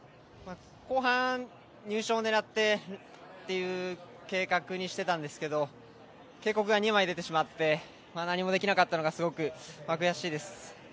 後半、入賞を狙ってっていう計画にしてたんですけど警告が２枚出てしまって、何もできなかったのがすごく悔しいです。